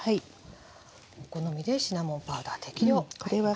お好みでシナモンパウダー適量入りました。